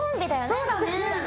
そうだね。